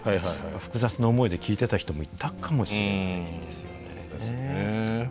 複雑な思いで聞いてた人もいたかもしれないですよね。